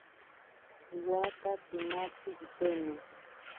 Waaka tsimatzi itene.